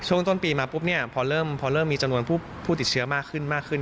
ช่วงต้นปีมาพอเริ่มมีจำนวนผู้ติดเชื้อมากขึ้น